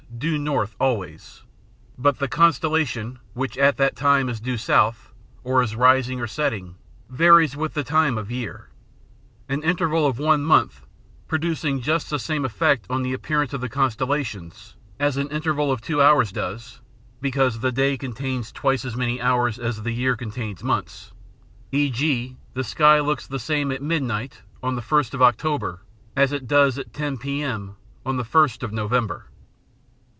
due north always, but the constellation which at that time is due south or is rising or setting varies with the time of year; an interval of one month producing just the same effect on the appearance of the constellations as an interval of two hours does (because the day contains twice as many hours as the year contains months), e.g. the sky looks the same at midnight on the 1st of October as it does at 10 p.m. on the 1st of November.